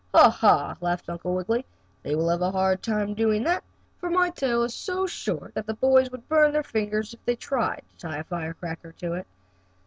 "Ha! Ha!" laughed Uncle Wiggily. "They will have a hard time doing that, for my tail is so short that the boys would burn their fingers if they tried to tie a firecracker to it."